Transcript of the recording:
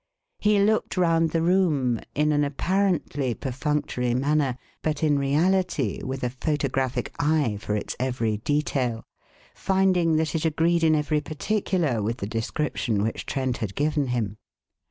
He looked round the room, in an apparently perfunctory manner, but in reality with a photographic eye for its every detail, finding that it agreed in every particular with the description which Trent had given him.